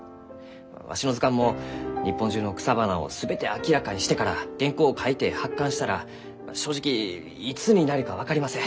わしの図鑑も日本中の草花を全て明らかにしてから原稿を書いて発刊したら正直いつになるか分かりません。